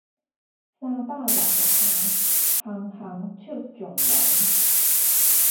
三百六十行，行行出狀元